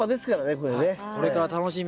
これから楽しみ！